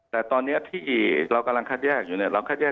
แต่ตอนนี้ที่เรากำลังคัดแยกอยู่เนี่ยเราคัดแยก